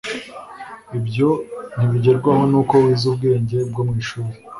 Ibyo ntibigerwaho nuko wize ubwenge bwo mu ishuri,